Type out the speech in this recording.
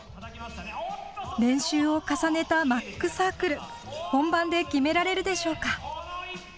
練習を重ねたマックサークル、本番で決められるでしょうか。